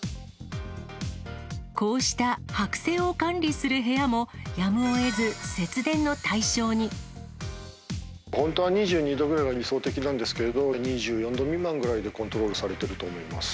こうした剥製を管理する部屋も、本当は２２度ぐらいが理想的なんですけれど、２４度未満ぐらいでコントロールされてると思います。